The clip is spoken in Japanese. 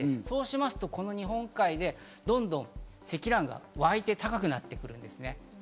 そうしますと、この日本海でどんどん積乱雲がわいて高くなってくるんです。